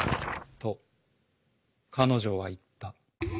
「と彼女はいった」。